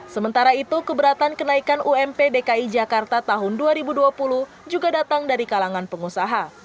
sementara itu keberatan kenaikan ump dki jakarta tahun dua ribu dua puluh juga datang dari kalangan pengusaha